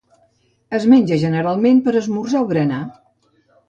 Es menja generalment per esmorzar o berenar.